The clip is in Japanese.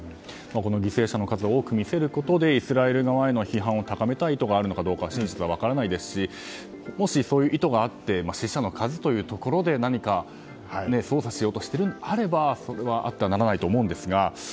犠牲者の数を多く見せることでイスラエル側への批判を高めたい意図があるかどうかの真実は分からないですしもし、そういう意図があって死者の数というところで何か、操作をしようとしているのであればあってはならないことと思うんですが。